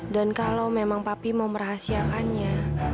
dan kalau memang papi mau merahasiakannya